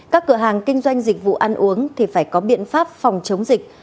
các cửa hàng kinh doanh dịch vụ ăn uống thì phải có biện pháp phòng chống dịch